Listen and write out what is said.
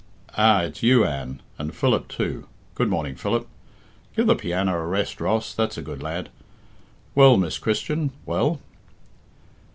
"Ah! it's you, Anne! and Philip, too. Good morning, Philip. Give the piano a rest, Ross that's a good lad. Well, Miss Christian, well!"